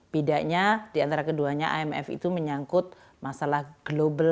bedanya diantara keduanya imf itu menyangkut masalah global